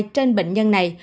trên bệnh nhân này